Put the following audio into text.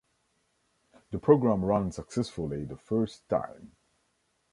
The program ran successfully the first time.